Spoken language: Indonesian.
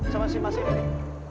sama si mas ini